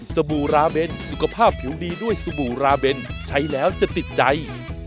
บู่ราเบนสุขภาพผิวดีด้วยสบู่ราเบนใช้แล้วจะติดใจ